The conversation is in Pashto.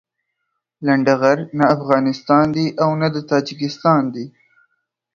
لنډغر نه افغانستان دي او نه د تاجيکستان دي.